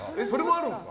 あるんですか？